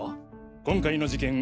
今回の事件